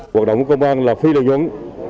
hoạt động của công an là phi lợi nhuận